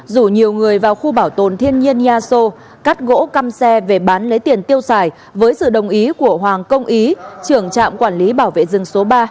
rủ nhiều người vào khu bảo tồn thiên nhiên eso cắt gỗ cam xe về bán lấy tiền tiêu xài với sự đồng ý của hoàng công ý trưởng trạm quản lý bảo vệ rừng số ba